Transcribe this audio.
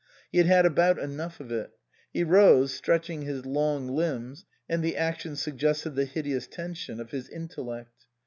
He had had about enough of it. He rose, stretching his long limbs, and the action suggested the hideous tension of his intellect.